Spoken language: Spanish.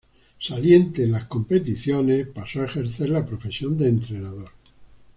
Saliente en las competiciones, pasó a ejercer la profesión de entrenador.